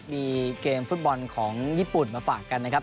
มีเกมฟุตบอลของญี่ปุ่นมาฝากกันนะครับ